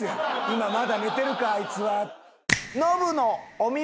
今まだ寝てるかあいつは。